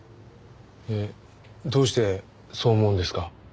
えっどうしてそう思うんですか？